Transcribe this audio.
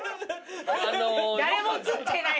誰も写ってない。